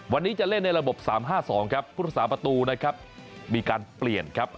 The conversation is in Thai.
วันนี้จะเล่นในระบบ๓๕๒ครับผู้รักษาประตูนะครับมีการเปลี่ยนครับ